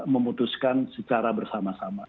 memutuskan secara bersama sama